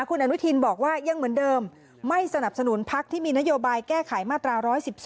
คุณอนุทินบอกว่ายังเหมือนเดิมไม่สนับสนุนพักที่มีนโยบายแก้ไขมาตรา๑๑๒